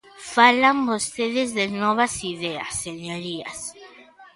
Falan vostedes de novas ideas, señorías.